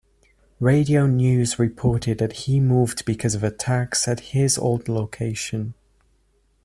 Radio News reported that he moved because of attacks at his old location.